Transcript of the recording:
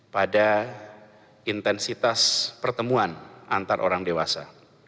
pada intensitas pertemuan antar orang dewasa